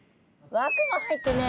枠も入ってねえ。